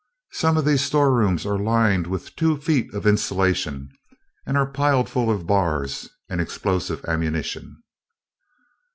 Some of these storerooms are lined with two feet of insulation and are piled full of bars and explosive ammunition."